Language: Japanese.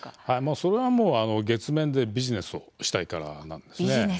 それはもう月面でビジネスをしたいからなんです。